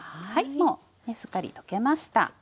もうねすっかり溶けました。